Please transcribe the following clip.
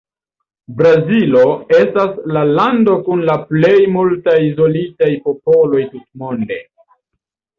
Brazilo estas la lando kun la plej multaj izolitaj popoloj tutmonde.